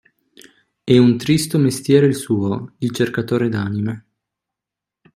E un tristo mestiere il suo: di cercatore d'anime.